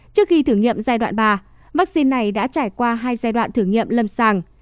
trước khi thử nghiệm giai đoạn ba vaccine này đã trải qua hai giai đoạn thử nghiệm lâm sàng